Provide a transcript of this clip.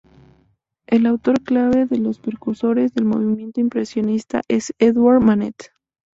Un autor clave entre los precursores del movimiento impresionista es Édouard Manet.